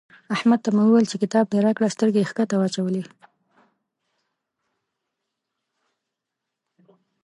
احمد ته مې وويل چې کتاب دې راکړه؛ سترګې يې کښته واچولې.